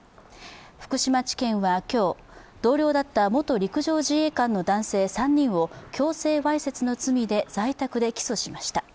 福島地検は今日、同僚だった元陸上自衛官の男性３人を強制わいせつの罪で在宅で起訴しました。